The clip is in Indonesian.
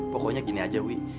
pokoknya begini saja wi